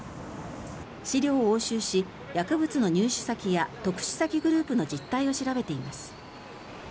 資料を押収し、薬物の入手先や特殊詐欺グループの実態を調べています。